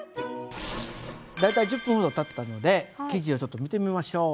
大体１０分ほど経ったので生地をちょっと見てみましょう。